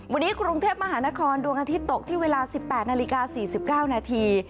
วันนี้กรุงเทพมหานครดวงอาทิตย์ตกที่เวลา๑๘นาฬิกา๔๙นาที